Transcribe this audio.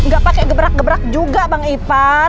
gak pake gebrak gebrak juga bang ipan